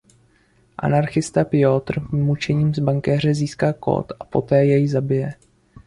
Anarchista Piotr mučením z bankéře získá kód a poté jej zabije.